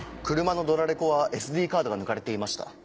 車のドラレコはＳＤカードが抜かれていました。